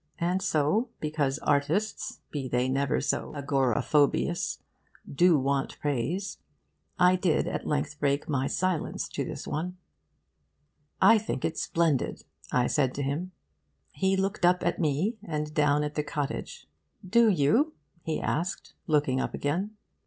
And so, because artists, be they never so agoraphobious, do want praise, I did at length break my silence to this one. 'I think it splendid,' I said to him. He looked up at me, and down at the cottage. 'Do you?' he asked, looking up again.